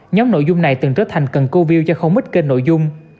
nhóm nội dung này từng trở thành cần câu view cho không ít kênh nội dung